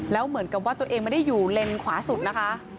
แล้วเหมือนกับว่าตัวเองไม่ได้อยู่เลนขวาสุดนะคะ